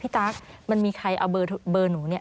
ตั๊กมันมีใครเอาเบอร์หนูเนี่ย